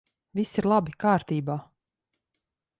Viss ir labi! Kārtībā!